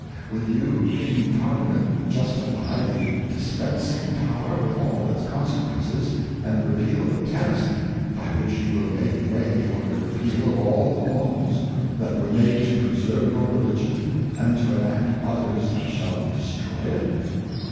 Will you in Parliament justifie the Dispensing Power, with all its Consequences, and Repeal ik\e T ests by which you jffij]^ make way_for _the^Repeal of all the Laws, that were made to preserve your ,ReligionJ^_^nd to Enact_,£thers^ that shall destroy it?